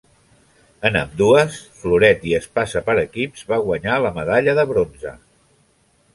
En ambdues, floret i espasa per equips, va guanyar la medalla de bronze.